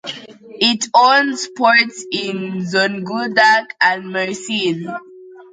It owns ports in Zonguldak and Mersin.